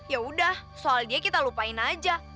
yaudah soal dia kita lupain aja